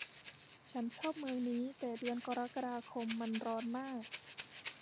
ฉันชอบเมืองนี้แต่เดือนกรกฎาคมมันร้อนมาก